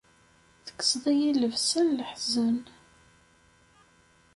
Tekkseḍ-iyi llebsa n leḥzen.